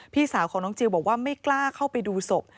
พี่สาวของน้องจิลบอกว่าไม่กล้าเข้าไปดูศพ